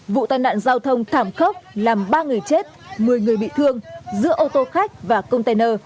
vụ tai nạn giao thông thảm khốc làm ba người chết một mươi người bị thương giữa ô tô khách và container